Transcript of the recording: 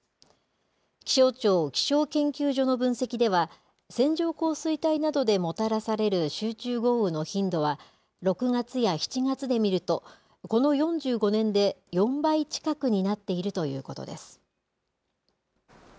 気象庁気象研究所の分析では、線状降水帯などでもたらされる集中豪雨の頻度は、６月や７月で見ると、この４５年で４倍近くになっているということです。